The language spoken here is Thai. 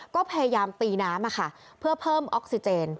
ก็พยายามตีน้ำเพื่อเพิ่มออกซิเจน